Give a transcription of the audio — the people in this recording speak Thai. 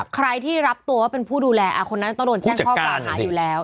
ใครที่รับตัวว่าเป็นผู้ดูแลคนนั้นต้องโดนแจ้งข้อกล่าวหาอยู่แล้ว